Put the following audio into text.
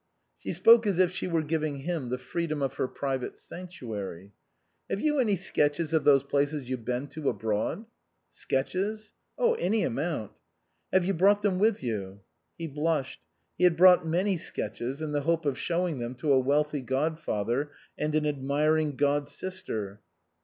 She spoke as if she were giving him the free dom of her private sanctuary. " Have you any sketches of those places you've been to abroad ?"" Sketches ? Any amount." " Have you brought them with you ?" He blushed. He had brought many sketches in the hope of showing them to a wealthy god father and an admiring god sister.